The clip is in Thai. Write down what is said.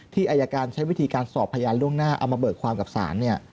อายการใช้วิธีการสอบพยานล่วงหน้าเอามาเบิกความกับศาล